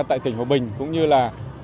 tại tỉnh hòa bình cũng như là